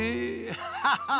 ハハハハ。